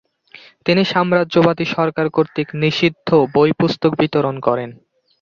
তিনি সাম্রাজ্যবাদী সরকার কর্তৃক নিষিদ্ধ বই-পুস্তক বিতরণ করতেন।